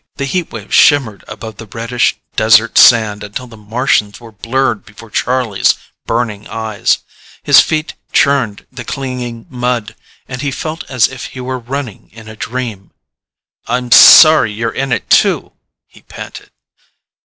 The heat waves shimmered above the reddish desert sand until the Martians were blurred before Charlie's burning eyes. His feet churned the clinging mud, and he felt as if he were running in a dream. "I'm sorry you're in it, too," he panted.